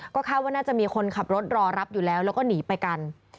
ก็คาดว่าน่าจะมีคนขับรถรอรับอยู่แล้วแล้วก็หนีไปกัน